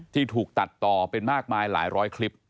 ที่ถูกตัดต่อเป็นมากมายหลายร้อยคลิป